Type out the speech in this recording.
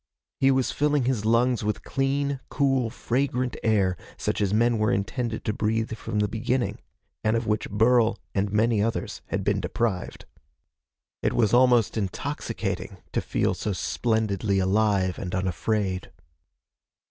He was filling his lungs with clean, cool, fragrant air such as men were intended to breathe from the beginning, and of which Burl and many others had been deprived. It was almost intoxicating to feel so splendidly alive and unafraid.